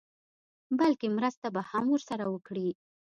بلکې مرسته به هم ورسره وکړي.